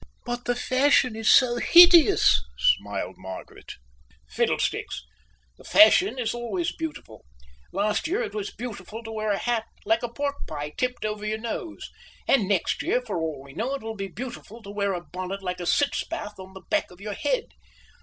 "But the fashion is so hideous," smiled Margaret. "Fiddlesticks! The fashion is always beautiful. Last year it was beautiful to wear a hat like a pork pie tipped over your nose; and next year, for all I know, it will be beautiful to wear a bonnet like a sitz bath at the back of your head.